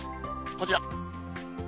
こちら。